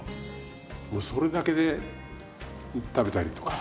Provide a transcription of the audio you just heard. もうそれだけで食べたりとか。